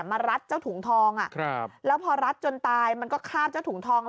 รัดเจ้าถุงทองแล้วพอรัดจนตายมันก็คาบเจ้าถุงทอง